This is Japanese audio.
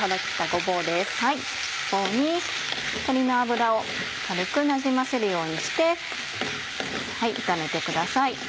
ごぼうに鶏の脂を軽くなじませるようにして炒めてください。